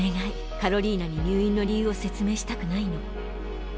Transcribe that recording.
カロリーナに入院の理由を説明したくないの。